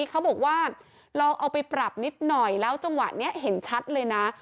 เขาบอกว่าลองเอาไปปรับนิดหน่อยแล้วจังหวะนี้เห็นชัดเลยนะ